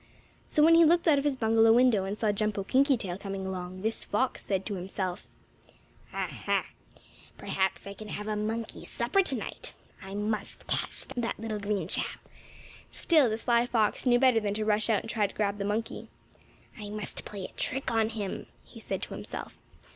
So when he looked out of his bungalow window, and saw Jumpo Kinkytail coming along, this fox said to himself: "Ah, ha! Perhaps I can have a monkey supper tonight. I must catch that little green chap." Still the sly fox knew better than to rush out and try to grab the monkey. "I must play a trick on him," he said to himself.